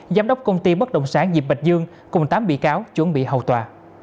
giám đốc công ty bất động sản diệp bạch dương cùng tám bị cáo chuẩn bị hậu tòa